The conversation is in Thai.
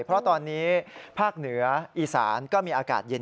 เพราะตอนนี้ภาคเหนืออีสานก็มีอากาศเย็น